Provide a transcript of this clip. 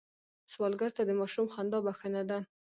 سوالګر ته د ماشوم خندا بښنه ده